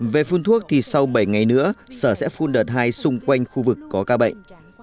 về phun thuốc thì sau bảy ngày nữa sở sẽ phun đợt hai xung quanh khu vực có ca bệnh